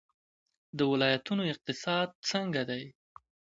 د ولایتونو اقتصاد څنګه دی؟